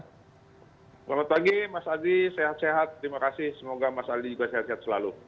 selamat pagi mas adi sehat sehat terima kasih semoga mas aldi juga sehat sehat selalu